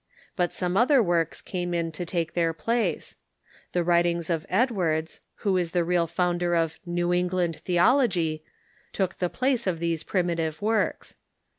But some other works came in to take their place. The Avritings of Edwards, who is the real founder of " New^ England theology," took the place of these primi tive Avorks.